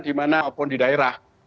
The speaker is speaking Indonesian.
dimana apapun di daerah